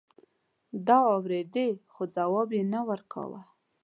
ده اورېدې خو ځواب يې نه ورکاوه.